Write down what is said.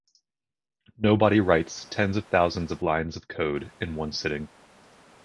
Nobody writes tens of thousands of lines of code in one sitting.